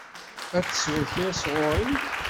Ad tesweḍ kra sɣur-i?